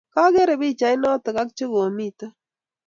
kagerei pichait notok ak chekomito